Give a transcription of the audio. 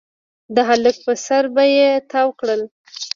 د هلک پر سر به يې تاو کړل.